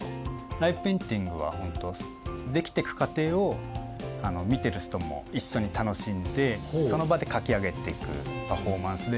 ライブペインティングはホント出来てく過程を見てる人も一緒に楽しんでその場で描き上げて行くパフォーマンスで。